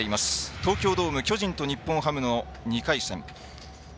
東京ドーム巨人と日本ハムの２回戦。